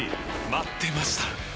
待ってました！